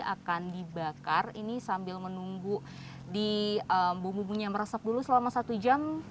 akan dibakar ini sambil menunggu di bumbu bumbunya meresap dulu selama satu jam